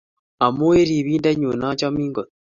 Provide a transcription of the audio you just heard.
Amu I Ribindennyu achamin kot